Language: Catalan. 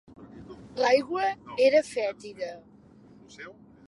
L'aigua era fètida.